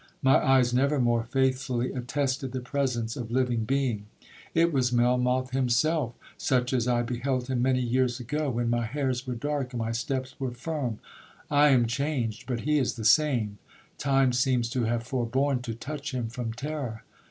My eyes never more faithfully attested the presence of living being. It was Melmoth himself, such as I beheld him many years ago, when my hairs were dark and my steps were firm. I am changed, but he is the same—time seems to have forborne to touch him from terror.